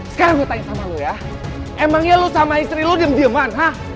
sekarang gue tanya sama lo ya emangnya lo sama istri lo diam diaman ha